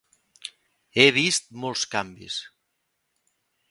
He vist molts canvis.